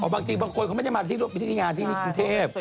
อ๋อบางคนเขาไม่ได้มาที่พิธีงานที่กรุงเทพฯ